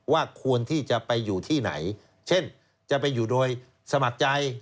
ควรที่จะไปอยู่ที่ไหนเช่นจะไปอยู่โดยสมัครใจ